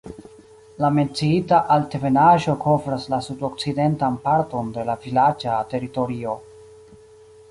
La menciita altebenaĵo kovras la sudokcidentan parton de la vilaĝa teritorio.